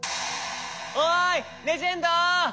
おいレジェンド！